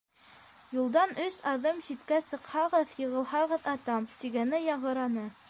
Юлдан өс аҙым ситкә сыҡһағыҙ, йығылһағыҙ - атам! - тигәне яңғыраны.